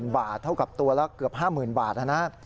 ๑๕๐๐๐๐๐บาทเท่ากับตัวละเกือบ๕๐๐๐๐บาทนะ